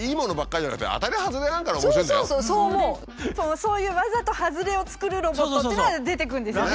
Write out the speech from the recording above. そういうわざと外れを作るロボットっていうのは出てくるんですよね。